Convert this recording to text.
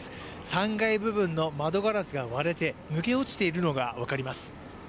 ３階部分の窓ガラスが割れて抜け落ちているのが分かります。